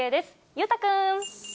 裕太君。